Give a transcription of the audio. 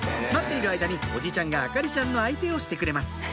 待っている間におじちゃんが燈里ちゃんの相手をしてくれます